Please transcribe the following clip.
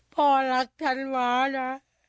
พ่อรักธันวานะ